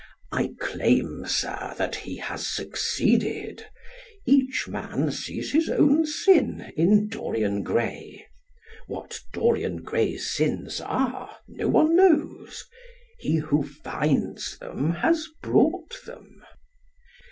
I claim, Sir, that he has succeeded. Each man sees his own sin in Dorian Gray. What Dorian Gray's sins are no one knows. He who finds them has brought them.